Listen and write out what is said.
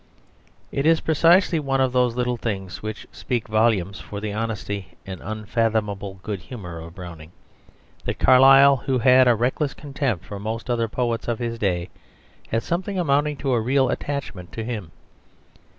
It is precisely one of those little things which speak volumes for the honesty and unfathomable good humour of Browning, that Carlyle, who had a reckless contempt for most other poets of his day, had something amounting to a real attachment to him.